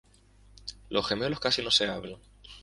Los gemelos casi no se hablan.